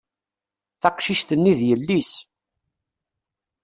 Taqcict-nni d yelli-s